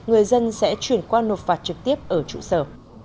người dân sẽ chuyển qua nộp phạt trực tiếp ở trụ sở